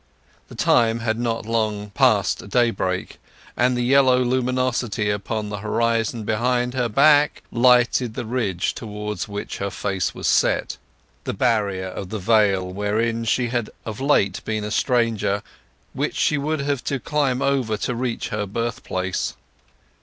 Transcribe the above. The time was not long past daybreak, and the yellow luminosity upon the horizon behind her back lighted the ridge towards which her face was set—the barrier of the vale wherein she had of late been a stranger—which she would have to climb over to reach her birthplace.